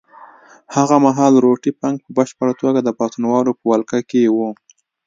هغه مهال روټي فنک په بشپړه توګه د پاڅونوالو په ولکه کې وو.